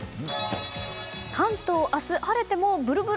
関東明日、晴れてもブルブル。